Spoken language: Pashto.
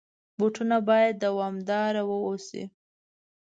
بوټونه باید دوامدار واوسي.